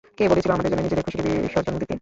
কে বলেছিলো আমাদের জন্য নিজের খুশিকে বিসর্জন দিতে?